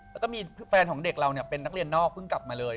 แล้วก็มีแฟนของเด็กเราเป็นนักเรียนนอกเพิ่งกลับมาเลย